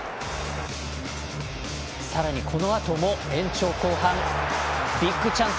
さらに、このあとも延長後半ビッグチャンス